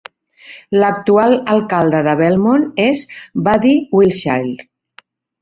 L'actual alcalde de Belmont és Buddy Wiltshire.